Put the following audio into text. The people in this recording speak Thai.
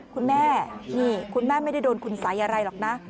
คุณแม่นี่คุณแม่ไม่ได้โดนคุณสัยอะไรหรอกนะ